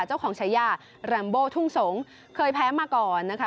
เจ้าของชาย่าแรมโบทุ่งสงฆ์เคยแพ้มาก่อนนะคะ